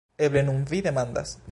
Eble nun vi demandas.